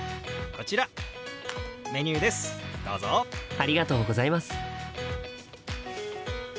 ありがとうございます。